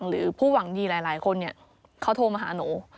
หรือผู้หวังดีหลายคนเขาโทรมาหาหนู